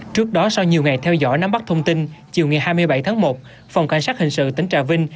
trước đó sau nhiều ngày theo dõi nắm bắt thông tin chiều ngày hai mươi bảy tháng một phòng cảnh sát hình sự tỉnh trà vinh